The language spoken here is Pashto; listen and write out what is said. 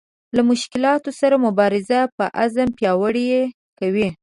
له مشکلاتو سره مبارزه په عزم پیاوړې کوي.